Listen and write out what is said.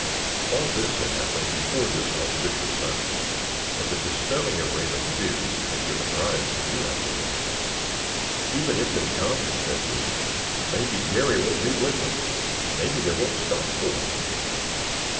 All this had happened before this auspicious Saturday, but the dispelling of Raymond's fears had given rise to new apprehensions. "Even if they come," said he, "maybe Garry won't be with them—maybe they won't stop for him."